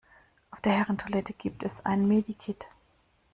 Auf der Herren-Toilette gibt es ein Medi-Kit.